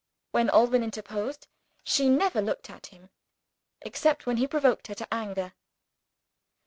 When Alban interposed, she never looked at him except when he provoked her to anger.